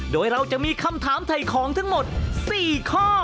โดยเราจะมีคำถามถ่ายของทั้งหมด๔ข้อ